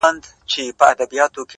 د ژوند دوران ته دي کتلي گراني !!